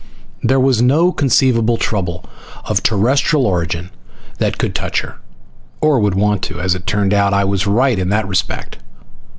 There was no conceivable trouble of terrestrial origin that could touch her or would want to. And, as it turned out, I was right in that respect.